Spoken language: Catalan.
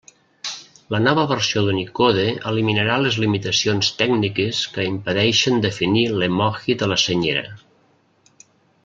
La nova versió d'Unicode eliminarà les limitacions tècniques que impedeixen definir l'emoji de la Senyera.